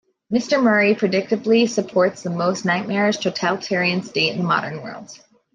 Mr Murray predictably supports the most nightmarish totalitarian state in the modern world.